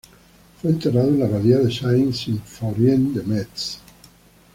Fue enterrado en la Abadía de Saint-Symphorien de Metz.